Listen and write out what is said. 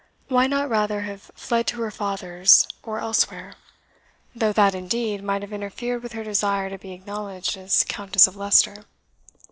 Why not rather have fled to her father's, or elsewhere? though that, indeed, might have interfered with her desire to be acknowledged as Countess of Leicester."